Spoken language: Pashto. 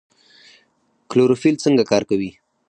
کلوروفیل څنګه کار کوي؟